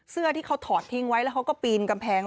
เสื้อที่เขาถอดทิ้งไว้แล้วเขาก็ปีนกำแพง